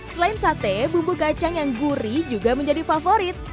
selain sate bumbu kacang yang gurih juga menjadi favorit